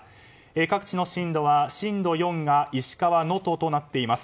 各地の震度は、震度４が石川・能登となっています。